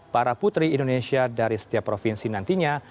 para putri indonesia dari setiap provinsi nantinya